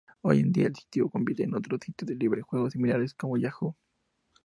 Hoy en día, el sitio compite con otros sitios de libre-juego similares, como Yahoo!